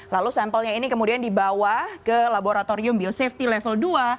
lalu sampelnya ini kemudian dibawa ke laboratorium biosafety level dua